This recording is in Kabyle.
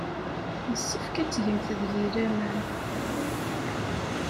Yessefk ad tgemt deg-i laman.